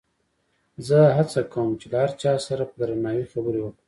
زه هڅه کوم چې له هر چا سره په درناوي خبرې وکړم.